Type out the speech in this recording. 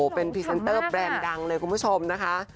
โอ้เพื่อเป็นพิเศนเตอร์แบรนด์ดังเลยคุณผู้ชมนะคะ